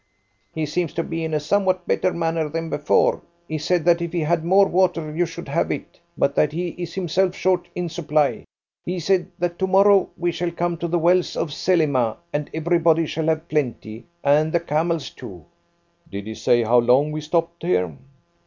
"He seems to be in a somewhat better manner than before. He said that if he had more water you should have it, but that he is himself short in supply. He said that to morrow we shall come to the wells of Selimah, and everybody shall have plenty and the camels too." "Did he say how long we stopped here?"